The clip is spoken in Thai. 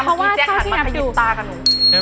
เมื่อกี้แจ๊กหันมาขยิบตากับหนู